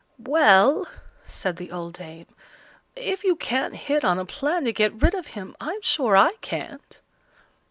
"Well," said the old dame, "if you can't hit on a plan to get rid of him, I'm sure I can't."